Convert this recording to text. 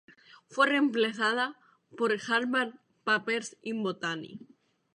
Fue reemplazada por "Harvard Papers in Botany".